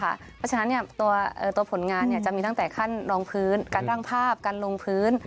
เพราะฉะนั้นเนี่ยตัวผลงานเนี่ยจะมีตั้งแต่ขั้นรองพื้นกันรั่งภาพกันรงพื้น